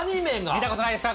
見たことないですか？